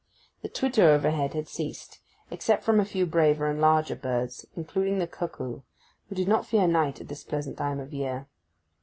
The twitter overhead had ceased, except from a few braver and larger birds, including the cuckoo, who did not fear night at this pleasant time of year.